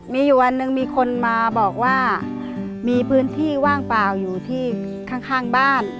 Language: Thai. มีอยู่วันหนึ่งมีคนมาบอกว่ามีพื้นที่ว่างเปล่าอยู่ที่ข้างบ้าน